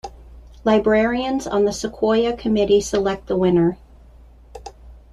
Librarians on the Sequoyah Committee select the winner.